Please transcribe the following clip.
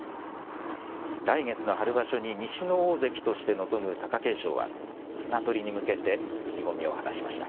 来月の春場所に西の大関として臨む貴景勝は、綱とりに向けて、意気込みを話しました。